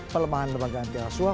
pelemahan lembagaan tia suha